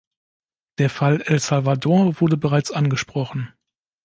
Der Fall El Salvador wurde bereits angesprochen.